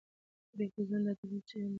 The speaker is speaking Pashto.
د پرېکړې ځنډ د عدالت زیان دی.